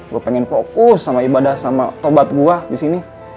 gue pengen fokus sama ibadah sama tobat gue disini